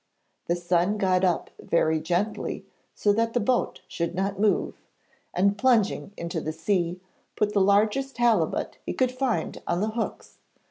The son got up very gently so that the boat should not move, and, plunging into the sea, put the largest halibut he could find on the hooks.